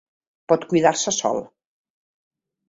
Pot cuidar-se sol.